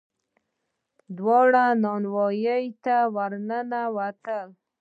دواړه نانوايي ته ور ننوتل.